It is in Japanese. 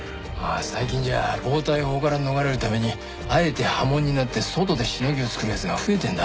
最近じゃ暴対法から逃れるためにあえて破門になって外でシノギを作る奴が増えてるんだ。